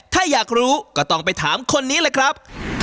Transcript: ถ้าอยากรู้ก็ต้องไปถามคนนี้เลยครับ